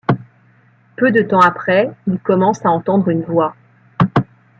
Peu de temps après il commence à entendre une voix...